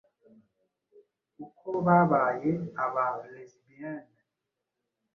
Uko babaye aba-lesibian